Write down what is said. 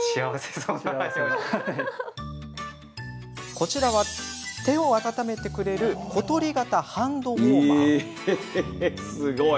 こちらは、手を温めてくれる小鳥型ハンドウォーマー。